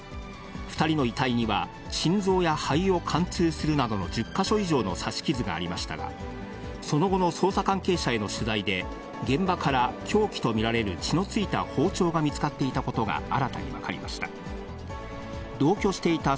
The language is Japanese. ２人の遺体には、心臓や肺を貫通するなどの１０か所以上の刺し傷がありましたが、その後の捜査関係者への取材で、現場から凶器と見られる血の付いた包丁が見つかっていたことが新たに分かりました。